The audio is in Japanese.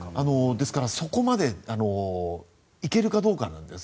ですから、そこまでいけるかどうかなんです。